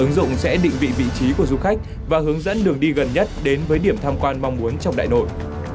ứng dụng sẽ định vị vị trí của du khách và hướng dẫn đường đi gần nhất đến với điểm tham quan mong muốn trong đại nội